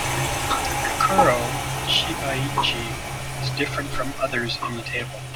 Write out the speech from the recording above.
Kuro-Shibuichi is different from others in the table.